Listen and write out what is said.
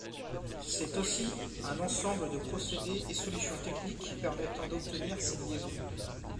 C’est aussi un ensemble de procédés et solutions techniques permettant d’obtenir ces liaisons.